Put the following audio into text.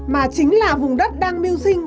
mà chính là vùng đất đang miêu sinh